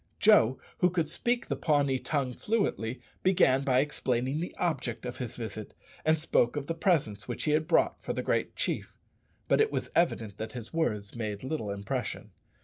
Joe, who could speak the Pawnee tongue fluently, began by explaining the object of his visit, and spoke of the presents which he had brought for the great chief; but it was evident that his words made little impression.